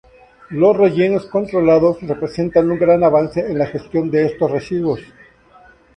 Los rellenos controlados representan un gran avance en la gestión de estos residuos.